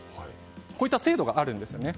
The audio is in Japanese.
こういった制度があるんですよね。